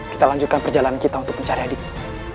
kita lanjutkan perjalanan kita untuk mencari adiknya